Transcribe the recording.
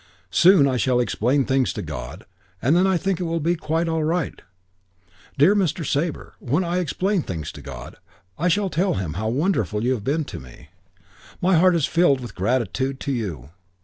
Soon I shall explain things to God and then I think it will be quite all right. Dear Mr. Sabre, when I explain things to God, I shall tell him how wonderful you have been to me. My heart is filled with gratitude to you.